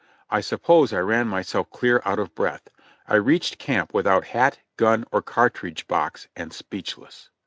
I suppose I ran myself clear out of breath. I reached camp without hat, gun, or cartridge box, and speechless.